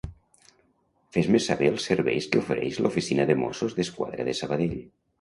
Fes-me saber els serveis que ofereix l'oficina de Mossos d'Esquadra de Sabadell.